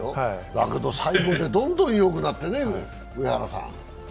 だけど、最後でどんどんよくなってね、上原さん。